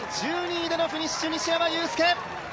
１２位でのフィニッシュ西山雄介！